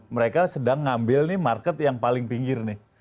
mereka sedang ngambil nih market yang paling pinggir nih